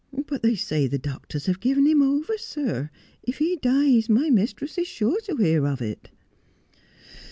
' But the,y say the doctors have given him over, sir. If he dies my mistress is sure to hear of it.'